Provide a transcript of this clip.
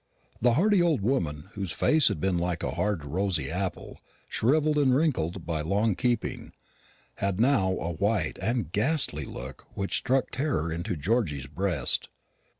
The hearty old woman, whose face had been like a hard rosy apple shrivelled and wrinkled by long keeping, had now a white and ghastly look which struck terror to Georgy's breast.